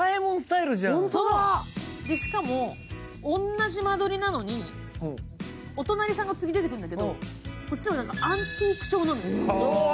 しかも同じ間取りなのにお隣さんが次出てくるんだけどこっちはアンティーク調なの。